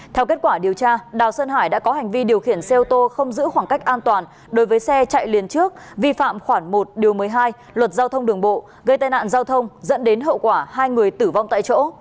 theo kết quả điều tra đào sơn hải đã có hành vi điều khiển xe ô tô không giữ khoảng cách an toàn đối với xe chạy liền trước vi phạm khoảng một điều một mươi hai luật giao thông đường bộ gây tai nạn giao thông dẫn đến hậu quả hai người tử vong tại chỗ